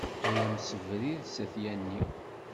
Ay amsebrid s at Yanni.